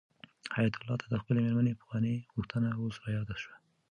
حیات الله ته د خپلې مېرمنې پخوانۍ غوښتنه اوس رایاده شوه.